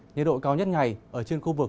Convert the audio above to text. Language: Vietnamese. nhiệt độ cao nhất ngày ở trên khu vực